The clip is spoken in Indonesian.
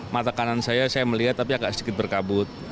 mata kanan saya saya melihat tapi agak sedikit berkabut